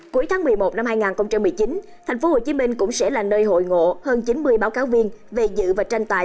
cuối tháng một mươi một năm hai nghìn một mươi chín tp hcm cũng sẽ là nơi hội ngộ hơn chín mươi báo cáo viên về dự và tranh tài